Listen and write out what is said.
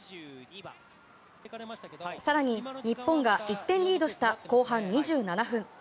更に、日本が１点リードした後半２７分。